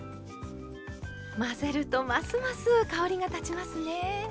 混ぜるとますます香りが立ちますね。